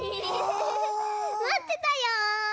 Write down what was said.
まってたよ。